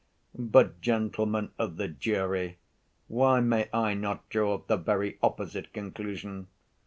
But, gentlemen of the jury, why may I not draw the very opposite conclusion?